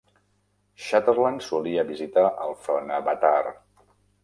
Sutherland solia visitar el front a Bataar.